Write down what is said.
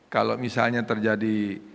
kalau misalnya terjadi